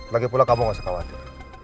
lagipula kamu gak usah khawatir